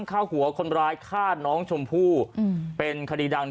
ฆ่าหัวคนร้ายฆ่าน้องชมพู่อืมเป็นคดีดัง